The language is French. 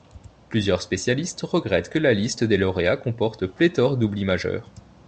Plusieurs spécialistes regrettent que la liste des lauréats comporte pléthore d'oublis majeurs.